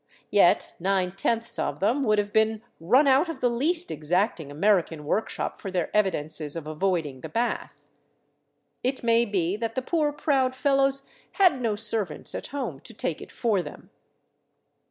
Yet nine tenths of them would have been run out of the least exacting American workshop for their evidences of avoiding the bath. It may be that the poor, proud fellows had no servants at home to take it for them.